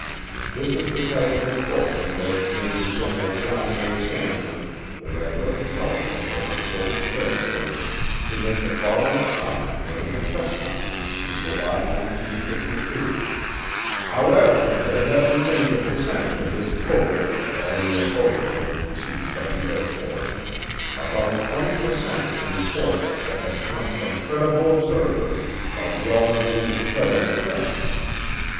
This is the type of report that led Major General John A. Samford, Director of Intelligence for Headquarters, Air Force, to make the following comment during a press conference in July 1952: "However, there have remained a percentage of this total [of all UFO reports received by the Air Force], about 20 per cent of the reports, that have come from credible observers of relatively incredible things.